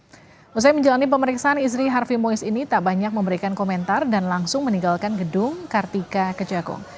selesai menjalani pemeriksaan istri harvi muiz ini tak banyak memberikan komentar dan langsung meninggalkan gedung kartika kejagung